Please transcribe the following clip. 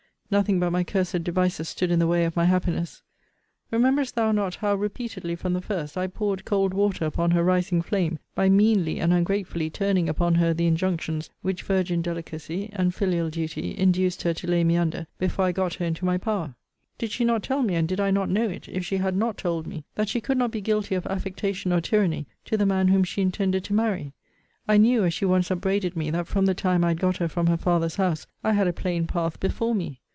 Nothing but my cursed devices stood in the way of my happiness. Remembrest thou not how repeatedly, from the first, I poured cold water upon her rising flame, by meanly and ungratefully turning upon her the injunctions, which virgin delicacy, and filial duty, induced her to lay me under before I got her into my power?* * See Vol. III. Letter XV. See also Letters XVII. XLV. XLVI. of that volume, and many other places. Did she not tell me, and did I not know it, if she had not told me, that she could not be guilty of affectation or tyranny to the man whom she intended to marry?* I knew, as she once upbraided me, that from the time I had got her from her father's house, I had a plain path before me.